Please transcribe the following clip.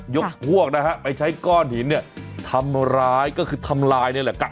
ยกพวกนะฮะไปใช้ก้อนหินเนี่ยทำร้ายก็คือทำลายนี่แหละกะ